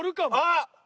あっ！